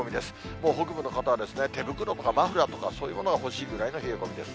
もう北部の方は手袋とかマフラーとか、そういうものが欲しいぐらいの冷え込みです。